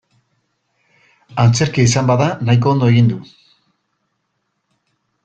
Antzerkia izan bada nahiko ondo egin du.